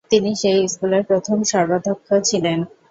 তিনি সেই স্কুলের প্রথম সর্বাধ্যক্ষ ছিলেন।